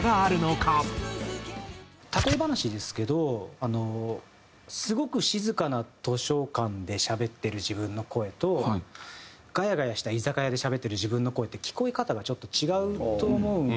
例え話ですけどスゴく静かな図書館でしゃべっている自分の声とガヤガヤした居酒屋でしゃべっている自分の声って聞こえ方がちょっと違うと思うんですよ。